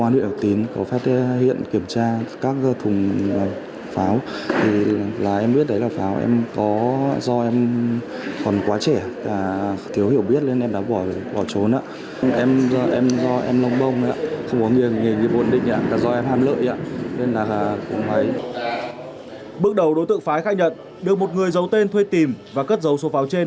bước đầu đối tượng phái khai nhận được một người giấu tên thuê tìm và cất dấu số pháo trên